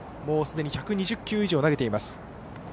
もうすでに１２０球以上投げています。